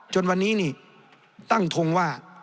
จนวันนี้นี่ตั้งทงว่า